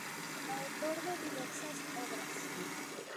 Autor de diversas obras.